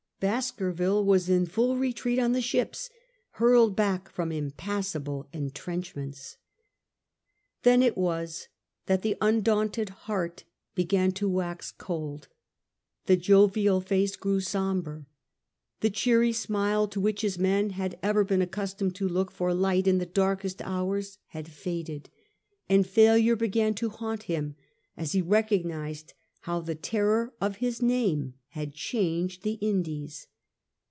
Baskerville waa in full retreat on the ships, hurled back from impassable intrenchments. Then it was that the undaunted heart began to wax cold. The jovial face grew sombre. The cheery smile, to which his men had ever been accustomed to look for light in the darkest hours, had faded, and failure began to haunt him, as he recognised how the terror of his name had changed the Indies.